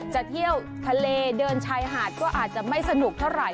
จะเที่ยวทะเลเดินชายหาดก็อาจจะไม่สนุกเท่าไหร